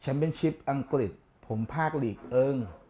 แชมเป็นชิปอังกฤษผมฝากลีกเอิิม